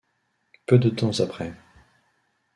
Peu de temps après.